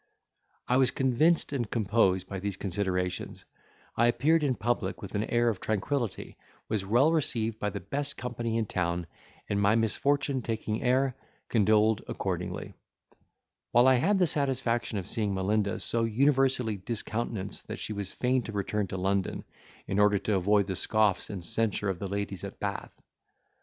I was convinced and composed by these considerations: I appeared in public with an air of tranquillity, was well received by the best company in town, and, my misfortune taking air, condoled accordingly: while I had the satisfaction of seeing Melinda so universally discountenanced that she was fain to return to London, in order to avoid the scoffs and censure of the ladies at Bath.